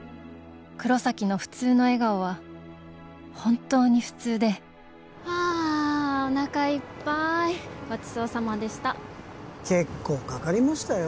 黒崎の普通の笑顔は本当に普通でああおなかいっぱいごちそうさまでした結構かかりましたよ